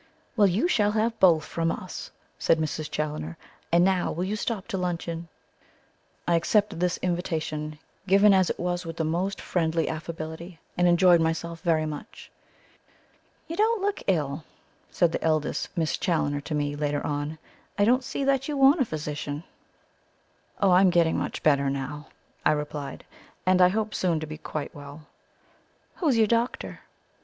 "Well, you shall have both from us," said Mrs. Challoner. "And now, will you stop to luncheon?" I accepted this invitation, given as it was with the most friendly affability, and enjoyed myself very much. "You don't look ill," said the eldest Miss Challoner to me, later on. "I don't see that you want a physician." "Oh, I am getting much better now," I replied; "and I hope soon to be quite well." "Who's your doctor?"